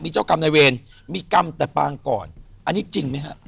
เจ้ากรรมในเวรมีกรรมแต่ปางก่อนอันนี้จริงไหมฮะ